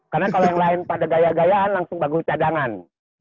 karena kalau yang lain pada gaya gayaan langsung bagung cadangan